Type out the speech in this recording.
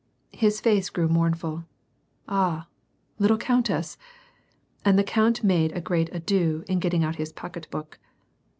His face grew mournful. "Ah I little countess!" And the count made a great ado in gitting out his pocket book.